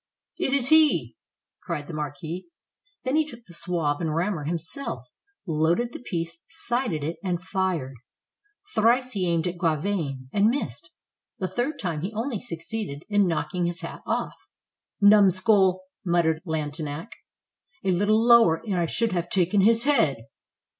"It is he!" cried the marquis. Then he took the swab and rammer himself, loaded the piece, sighted it, and fired. Thrice he aimed at Gauvain and missed. The third time he only succeeded in knocking his hat off. 321 FRANCE "Numbskull!" muttered Lantenac; "a little lower, and I should have taken his head."